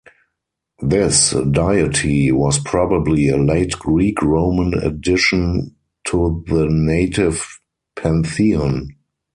This deity was probably a late Greek-Roman addition to the native pantheon.